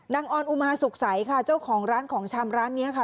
ออนอุมาสุขใสค่ะเจ้าของร้านของชำร้านนี้ค่ะ